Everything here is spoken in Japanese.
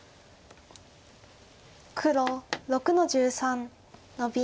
黒６の十三ノビ。